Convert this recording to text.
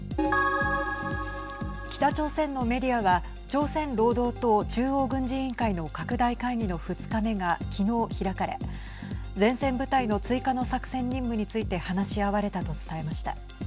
北朝鮮のメディアは朝鮮労働党中央軍事委員会の拡大会議の２日目がきのう開かれ前線部隊の追加の作戦任務について話し合われたと伝えました。